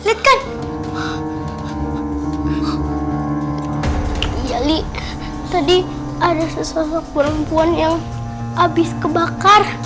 iya li tadi ada sesosok perempuan yang habis kebakar